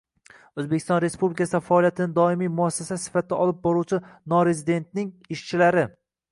O‘zbekiston Respublikasida faoliyatini doimiy muassasa sifatida olib boruvchi norezidentning ishchilari